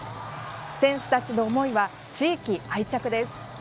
選手たちの思いは地域愛着です。